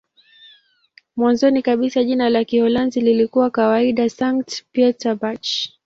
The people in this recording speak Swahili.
Mwanzoni kabisa jina la Kiholanzi lilikuwa kawaida "Sankt-Pieterburch".